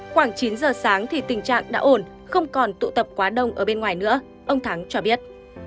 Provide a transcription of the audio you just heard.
khoảng chín giờ sáng thì tình trạng đã ổn không còn tụ tập quá đông ở bên ngoài nữa ông thắng cho biết